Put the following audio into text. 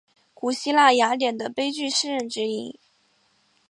古希腊雅典的悲剧诗人之一。